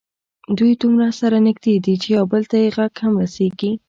دوی دومره سره نږدې دي چې یو بل ته یې غږ هم رسېږي.